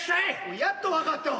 やっと分かったわ。